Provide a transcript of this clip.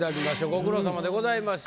ご苦労さまでございました。